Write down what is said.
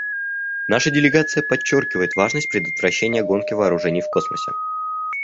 Наша делегация подчеркивает важность предотвращения гонки вооружений в космосе.